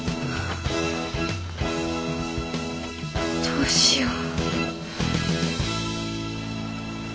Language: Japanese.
どうしよう。